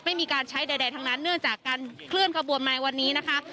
ไม่มีการใช้ใดทั้งนั้นเนื่องจากการเคลื่อนขบวนมาวันนี้นะคะ